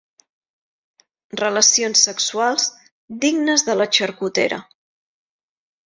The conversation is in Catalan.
Relacions sexuals dignes de la xarcutera.